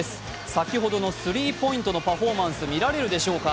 先ほどのスリーポイントのパフォーマンス、見られるでしょうか。